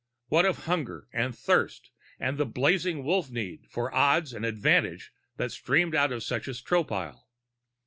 What of hunger and thirst and the blazing Wolf need for odds and advantage that streamed out of such as Tropile?